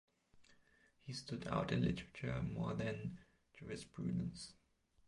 He stood out in literature more than jurisprudence.